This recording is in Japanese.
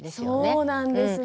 そうなんですね。